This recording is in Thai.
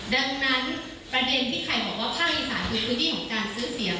ดังนั้นประเด็นที่ใครบอกว่าภาคอีสานคือพื้นที่ของการซื้อเสียง